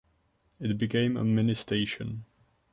It became a mini-station.